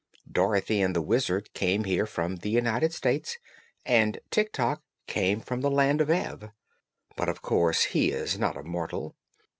Dorothy and the Wizard came here from the United States, and Tik Tok came from the Land of Ev. But of course he is not a mortal.